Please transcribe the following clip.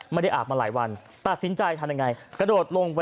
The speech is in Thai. มันเรื่อยมันตื้นนมันไม่รู้อะ